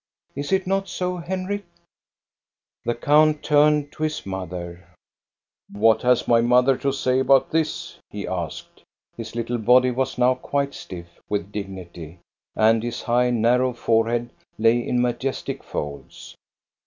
Is it not so, Henrik? " The count turned to his mother. What has my mother to say about this?" he asked. His little body was now quite stiff with dig nity, and his high, narrow forehead lay in majestic folds.